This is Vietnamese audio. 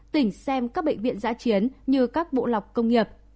tỉnh xem các bệnh viện giã chiến như các bộ lọc công nghiệp